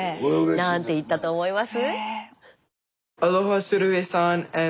何て言ったと思います？